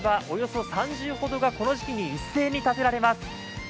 およそ３０ほどがこの時期に一斉にたてられます。